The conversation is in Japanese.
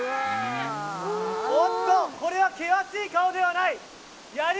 おっと、これは険しい顔ではない。